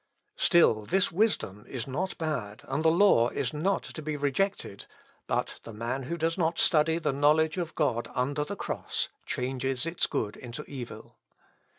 24. "Still this wisdom (§ 22) is not bad; and the law (§ 23) is not to be rejected; but the man who does not study the knowledge of God under the cross, changes its good into evil.